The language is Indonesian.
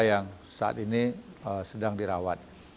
yang saat ini sedang dirawat